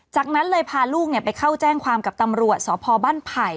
จากนั้นเลยพาลูกไปเข้าแจ้งความกับตำรวจสพบ้านไผ่